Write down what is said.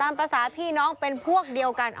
ภาษาพี่น้องเป็นพวกเดียวกัน